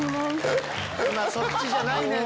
今そっちじゃないねん！